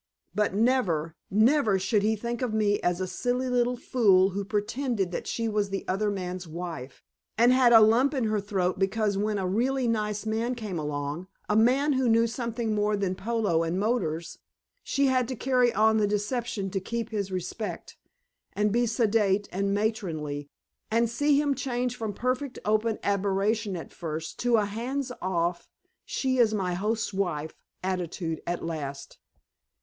But never, NEVER should he think of me as a silly little fool who pretended that she was the other man's wife and had a lump in her throat because when a really nice man came along, a man who knew something more than polo and motors, she had to carry on the deception to keep his respect, and be sedate and matronly, and see him change from perfect open admiration at first to a hands off she is my host's wife attitude at last.